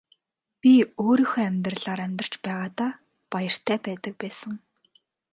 Би өөрийнхөө амьдралаар амьдарч байгаадаа баяртай байдаг байсан.